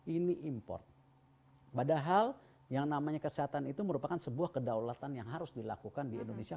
ini import padahal yang namanya kesehatan itu merupakan sebuah kedaulatan yang harus dilakukan di indonesia